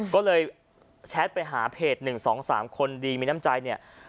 ก็เลยแชทไปหาเพจ๑๒๓คนดีมีน้ำใจเนี่ย